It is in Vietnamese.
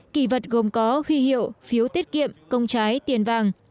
kỳ vật gồm có huy hiệu phiếu tiết kiệm công trái tiền vàng